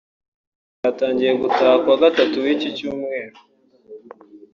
Abanyeshuri batangiye gutaha ku wa Gatatu w’iki cyumweru